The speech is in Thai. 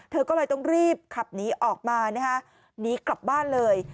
เธอก็เลยต้องรีบขับหนีออกมานะฮะหนีกลับบ้านเลย